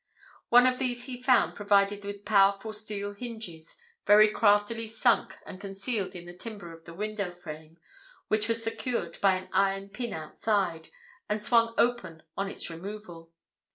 One of these he found provided with powerful steel hinges, very craftily sunk and concealed in the timber of the window frame, which was secured by an iron pin outside, and swung open on its removal.